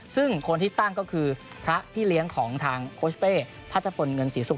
ซึ่งคนที่ตั้งคือพระที่เลี้ยงทุกข์ทางโค้ชเป๊ะพเงินศีสุข